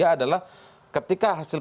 adalah ketika hasil